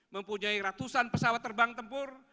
mempunyai ratusan pesawat terbang tempur